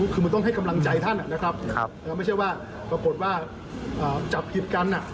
คือมันต้องให้กำลังใจท่านนะครับไม่ใช่ว่าปรากฏว่าจับผิดกัน